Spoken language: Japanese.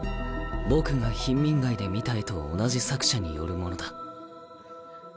僕が貧民街で見た絵と同じ作者によるものだ。